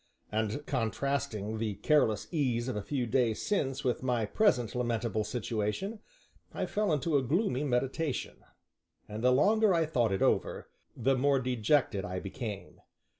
And, contrasting the careless ease of a few days since with my present lamentable situation, I fell into a gloomy meditation; and the longer I thought it over, the more dejected I became.